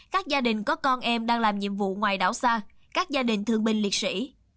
các gia đình có con em đang làm nhiệm vụ ngoài đảo xa các gia đình thương binh liệt sĩ